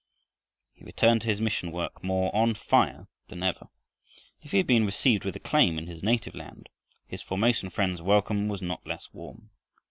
He returned to his mission work more on fire than ever. If he had been received with acclaim in his native land, his Formosan friends' welcome was not less warm.